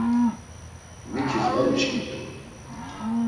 Mitis var uçkit̆u.